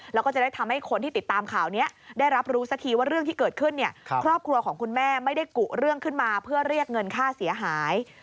แล้วก็จะได้ทำให้คนที่ติดตามข่าวนี้ได้รับรู้สักทีว่าเรื่องที่เกิดขึ้นเนี่ยครอบครัวของคุณแม่ไม่ได้กุเรื่องขึ้นมาเพื่อเรียกเงินค่าเสียหาย